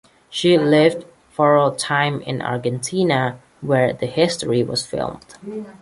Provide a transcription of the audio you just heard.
She lived for a time in Argentina, where the history was filmed.